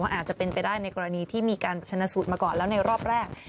อาจจะเป็นไปได้ในกรณีที่มีการชนะสูตรมาก่อนแล้วในรอบแรก